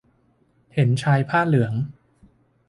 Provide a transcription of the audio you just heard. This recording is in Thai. เห็นชายผ้าเหลือง